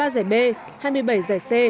một mươi ba giải b hai mươi bảy giải c